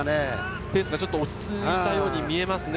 ペースが落ち着いたように見えますね。